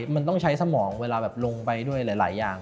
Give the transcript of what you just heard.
มันต้องใช้สมองเวลาแบบลงไปด้วยหลายอย่าง